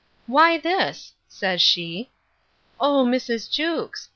—Why this? says she. O Mrs. Jewkes!